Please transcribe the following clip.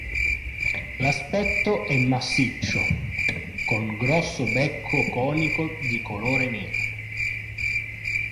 L'aspetto è massiccio, con grosso becco conico di colore nero.